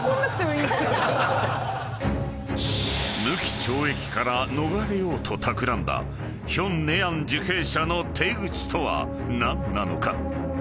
［無期懲役から逃れようとたくらんだヒョン・ネアン受刑者の手口とは何なのか？］